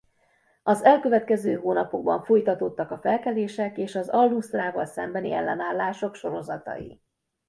Az elkövetkező hónapokban folytatódtak a felkelések és az al-Nuszrával szembeni ellenállások sorozatai.